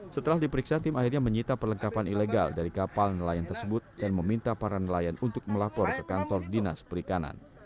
setelah diperiksa tim akhirnya menyita perlengkapan ilegal dari kapal nelayan tersebut dan meminta para nelayan untuk melapor ke kantor dinas perikanan